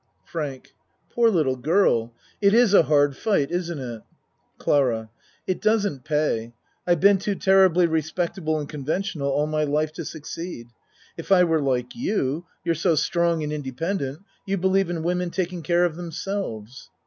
FRANK Poor little girl. It is a hard fight, isn't it? CLARA It doesn't pay. I've been too terribly respectable and conventional all my life to succeed. If I were like you you're so strong and independ ent you believe in women taking care of them selves.